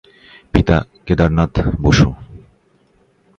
পিতা কেদারনাথ বসু।